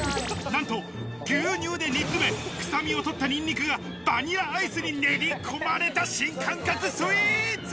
なんと牛乳で煮つめ、臭みを取ったニンニクがバニラアイスに練り込まれた新感覚スイーツ。